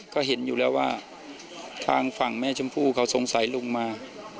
ก็เห็นอยู่แล้วว่าทางฝั่งแม่ชมพู่เขาสงสัยลุงมา